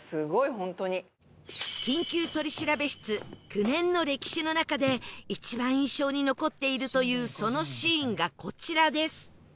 『緊急取調室』９年の歴史の中で一番印象に残っているというそのシーンがこちらです